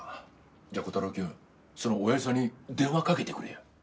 じゃあコタローきゅんその親父さんに電話かけてくれよ。